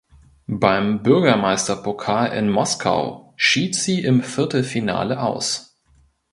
Beim Bürgermeisterpokal in Moskau schied sie im Viertelfinale aus.